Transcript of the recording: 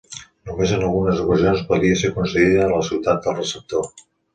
Només en algunes ocasions podia ser concedida a la ciutat del receptor.